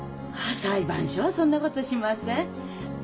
裁判所はそんなことしません。